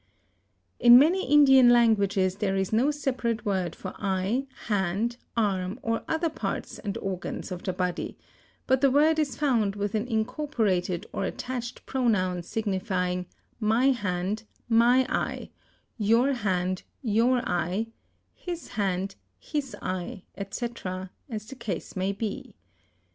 In many Indian languages there is no separate word for eye, hand, arm, or other parts and organs of the body, but the word is found with an incorporated or attached pronoun signifying my hand, my eye; your hand, your eye; his hand, his eye, etc., as the case may be.